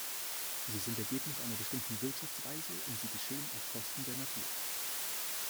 Sie sind Ergebnis einer bestimmten Wirtschaftsweise, und sie geschehen auf Kosten der Natur.